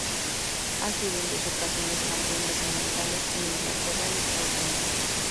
Ha sido en dos ocasiones campeón de sementales en Inglaterra y Estados Unidos.